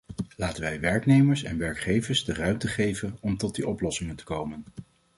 Laten wij werknemers en werkgevers de ruimte geven om tot die oplossingen te komen.